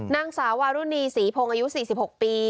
นางสาววารุณีศรีพงศ์อายุ๔๖ปี